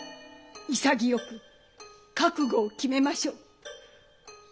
潔く覚悟を決めましょう。